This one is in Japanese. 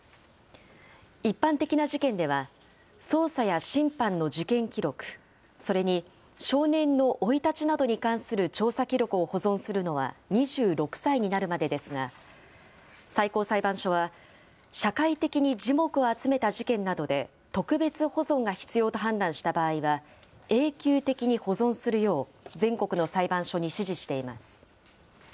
一般的な事件では、捜査や審判の事件記録、それに、少年の生い立ちなどに関する調査記録を保存するのは２６歳になるまでですが、最高裁判所は、社会的に耳目を集めた事件などで特別保存が必要と判断した場合は、永久的に保存するよう、全国の裁判所に指示しています。